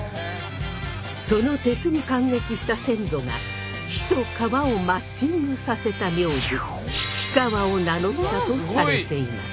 その鉄に感激した先祖が火と川をマッチングさせた名字火川を名乗ったとされています。